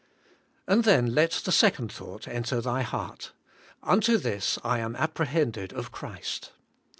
And then let the second thought enter thy heart: Unto this I am apprehended of Christ.